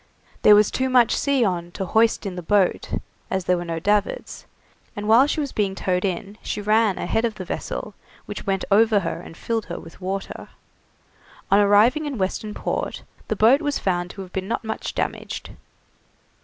There was too much sea on to hoist in the boat, as there were no davits, and while she was being towed in she ran ahead of the vessel, which went over her and filled her with water. On arriving in Western Port the boat was found to have been not much damaged.